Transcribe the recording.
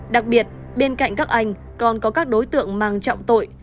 đặc biệt bên cạnh các anh còn có các đối tượng mang trọng tội